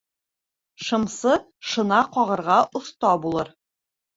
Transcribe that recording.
Шымсы шына ҡағырға оҫта булыр.